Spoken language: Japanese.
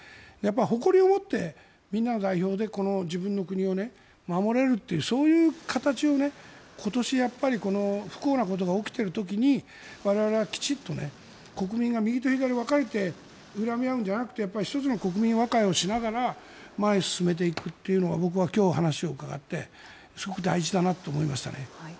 誇りを持ってみんなの代表で自分の国を守れるというそういう形を今年不幸なことが起きている時に我々は国民がきちんとね右と左に分かれていがみ合うんじゃなくて１つの国民和解をしながら前へ進めていくというのが僕は今日、話を伺ってすごく大事だなと思いました。